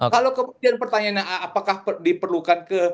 kalau kemudian pertanyaannya apakah diperlukan ke